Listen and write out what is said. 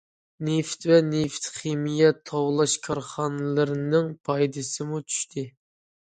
نېفىت ۋە نېفىت خىمىيە تاۋلاش كارخانىلىرىنىڭ پايدىسىمۇ چۈشتى.